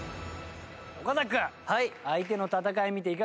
岡君相手の戦い見ていかがでしたかね？